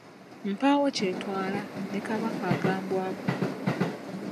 Mpaawo kyetwala, ne Kabaka agambwako.